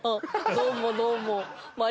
どうもどうも。